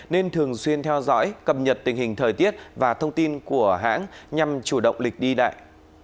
nên thường xuyên theo dõi cập nhật tình hình thời tiết và thông tin của hãng nhằm chủ động lịch đi lại